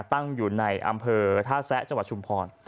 ตั้งอยู่ในอำเภอท่าแซะจชุมพร